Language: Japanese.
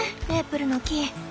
メープルの木。